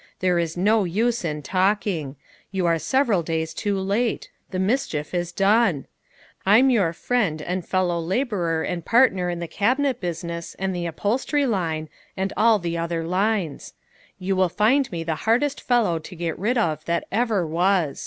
There is no use in talking. You are several days too late. The mischief is done. I'm your friend and fellow laborer and partner in the cabinet business, and the upholstery line, and all the other lines. You will find me the hardest fellow to get rid of that ever was.